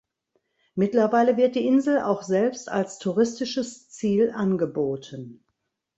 Mittlerweile wird die Insel auch selbst als touristisches Ziel angeboten.